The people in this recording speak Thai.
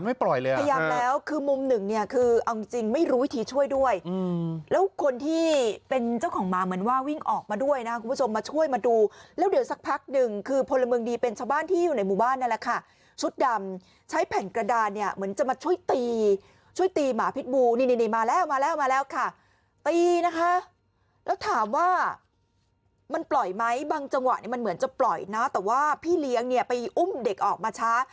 ด้วยแล้วคนที่เป็นเจ้าของมาเหมือนว่าวิ่งออกมาด้วยนะคุณผู้ชมมาช่วยมาดูแล้วเดี๋ยวสักพักหนึ่งคือพลเมิงดีเป็นชาวบ้านที่อยู่ในหมู่บ้านนั่นแหละค่ะชุดดำใช้แผ่งกระดาษเนี่ยเหมือนจะมาช่วยตีช่วยตีหมาพิษบูนี่นี่นี่มาแล้วมาแล้วมาแล้วค่ะตีนะคะแล้วถามว่ามันปล่อยไหมบางจังหวะมันเหมือนจะปล่อยนะแต่ว่